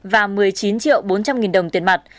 và một mươi chín triệu bốn trăm linh nghìn đồng tiền mặt